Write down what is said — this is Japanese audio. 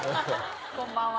「こんばんは」。